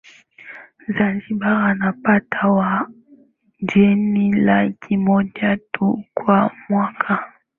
Zanzibar inapata wageni laki moja tu kwa mwaka